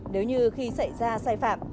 nếu như khi xảy ra sai phạm